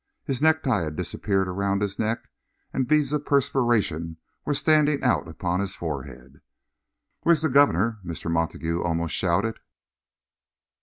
His necktie had disappeared around his neck, and beads of perspiration were standing out upon his forehead. "Where's the guv'nor?" Mr. Montague almost shouted.